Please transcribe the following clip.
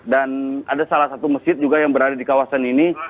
dan ada salah satu masjid juga yang berada di kawasan ini